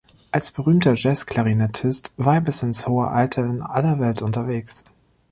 Als berühmter Jazzklarinettist war er bis ins hohe Alter in aller Welt unterwegs.